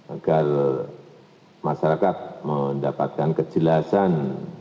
agar masyarakat mendapatkan kejelasan